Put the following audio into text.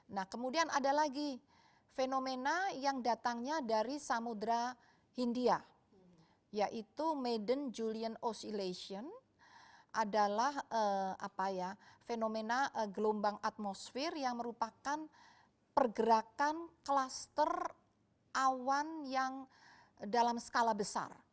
nah kemudian ada lagi fenomena yang datangnya dari samudera hindia yaitu maiden julian oscillation adalah fenomena gelombang atmosfer yang merupakan pergerakan kluster awan yang dalam skala besar